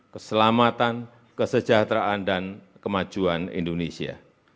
keselamatan kesejahteraan dan kemajuan indonesia